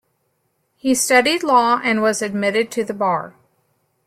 He studied law and was admitted to the bar.